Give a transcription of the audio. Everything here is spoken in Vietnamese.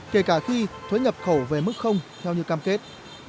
kể cả khi thuế nhập khẩu về mức theo như cam kết